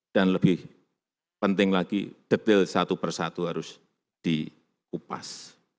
dan lebih penting lagi detail satu persatu harus diupas